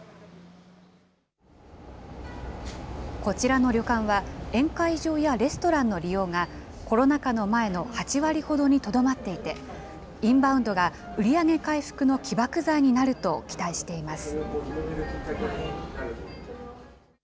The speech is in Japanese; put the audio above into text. こちらの旅館は、宴会場やレストランの利用が、コロナ禍の前の８割ほどにとどまっていて、インバウンドが売り上げ回復の起爆剤になると期待しています。